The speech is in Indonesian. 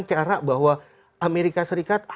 cara bahwa amerika serikat